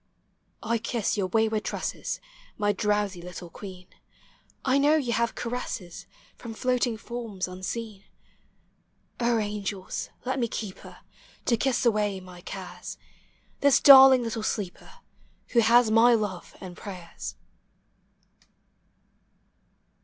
I kiss vour wavward tresses, My drowsy little queen ; I know you have caresses From lloating forms unseen. Digitized by Google 42 POEMH OF HOME. O, Angels, let me keep her To kiss away my cares, This darling little sleeper, Who has my love and prayers!